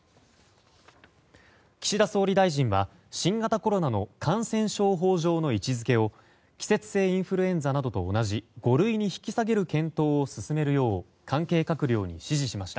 岸田総理大臣は、新型コロナの感染症法上の位置づけを季節性インフルエンザなどと同じ五類に引き下げる検討を進めるよう関係閣僚に指示しました。